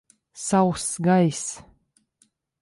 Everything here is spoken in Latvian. Sauss gaiss.